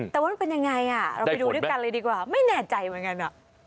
แต่ว่ามันเป็นยังไงอ่ะเราไปดูด้วยกันเลยดีกว่าไม่แน่ใจเหมือนกัน